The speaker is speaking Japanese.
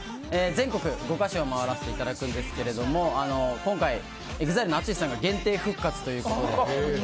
全国５か所を回らせていただくんですけれども今回、ＥＸＩＬＥのＡＴＳＵＳＨＩさんが限定復活ということで。